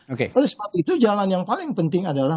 oleh sebab itu jalan yang paling penting adalah